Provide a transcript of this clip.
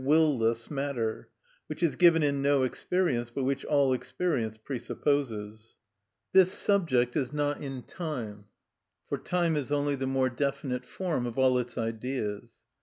_, will less) matter, which is given in no experience, but which all experience presupposes. This subject is not in time, for time is only the more definite form of all its ideas.